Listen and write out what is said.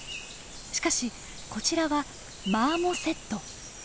しかしこちらはマーモセット。